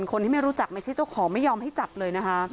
คนที่ไม่รู้จักไม่ใช่เจ้าของไม่ยอมให้จับเลยนะคะ